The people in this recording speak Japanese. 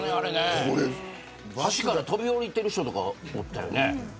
橋から飛び下りてる人とかおったよね。